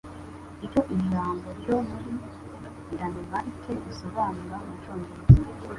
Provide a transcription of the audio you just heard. Icyo Ijambo ryo muri Danemarike risobanura mu Cyongereza